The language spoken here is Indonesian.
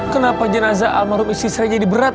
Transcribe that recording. kenapa jenazah almarhum istri saya jadi berat